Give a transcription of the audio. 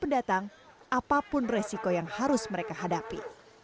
sebagai seorang pendatang apapun resiko yang harus mereka hadapi